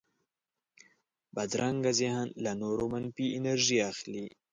بدرنګه ذهن له نورو منفي انرژي اخلي